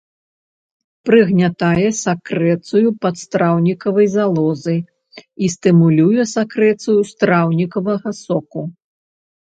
Прыгнятае сакрэцыю падстраўнікавай залозы і стымулюе сакрэцыю страўнікавага соку.